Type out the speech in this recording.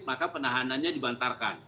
maka penahanannya dibantarkan